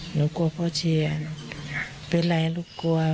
หนูกลัวพ่อเชียร์เป็นไรลูกกลัว